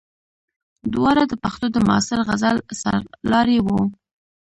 دواړه د پښتو د معاصر غزل سرلاري وو.